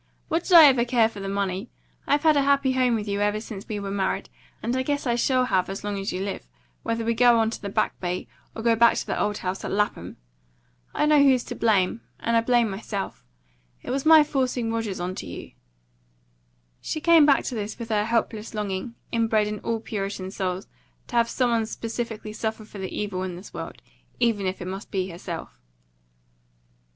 What did I ever care for the money? I've had a happy home with you ever since we were married, and I guess I shall have as long as you live, whether we go on to the Back Bay, or go back to the old house at Lapham. I know who's to blame, and I blame myself. It was my forcing Rogers on to you." She came back to this with her helpless longing, inbred in all Puritan souls, to have some one specifically suffer for the evil in the world, even if it must be herself.